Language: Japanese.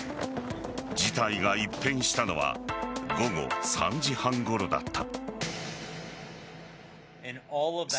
事態が一変したのは午後３時半ごろだった。